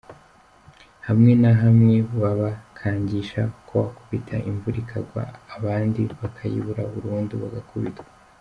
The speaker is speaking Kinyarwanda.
Hamwe na hamwe babakangisha kubakubita imvura ikagwa abandi bakayibura burundu bagakubitwa.